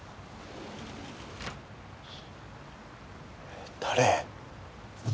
えっ誰？